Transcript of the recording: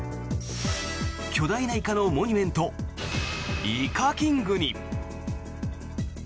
巨大なイカのモニュメントイカキングに。